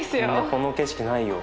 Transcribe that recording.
この景色ないよ。